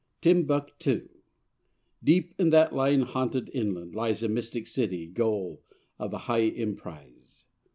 =Timbuctoo= Deep in that lion haunted inland lies A mystic city, goal of high Emprize.